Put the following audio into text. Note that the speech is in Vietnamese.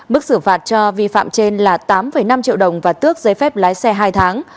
mức xử phạt cho vi phạm trên là tám năm triệu đồng và tước giấy phép lái xe hai tháng